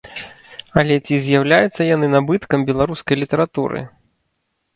Але ці з'яўляюцца яны набыткам беларускай літаратуры?